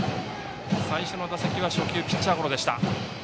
最初の打席は初球ピッチャーゴロでした。